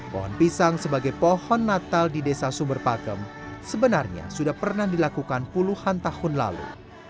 pohon pisang sebagai pohon natal di desa sumber pakem sebenarnya sudah pernah dilakukan puluhan tahun lalu